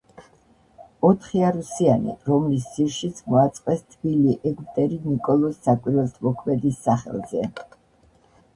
ოთხიარუსიანი, რომლის ძირშიც მოაწყვეს თბილი ეგვტერი ნიკოლოზ საკვირველთმოქმედის სახელზე.